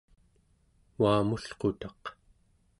uamulqutaq